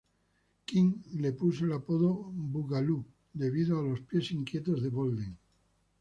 King le puso el apodo "Boogaloo" debido a los "pies inquietos" de Bolden.